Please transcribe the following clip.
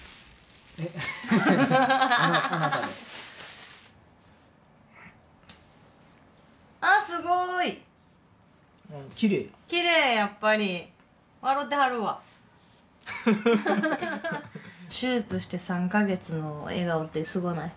えっあなたですあっすごいきれいきれいやっぱり笑うてはるわ手術して３カ月の笑顔ってすごない？